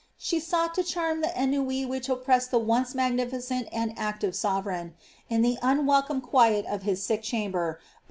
Sd* aoughl to chami the rnnui which oppressed the once magnificent >n! active sovereign, in the nnwelcorae quiet of his sick chamber, by <itS.